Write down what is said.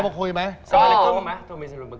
ปกติมีคนโทรมาคุยไหม